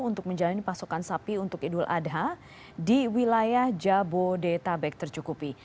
untuk menjalani pasokan sapi untuk idul adha di wilayah jabodetabek tercukupi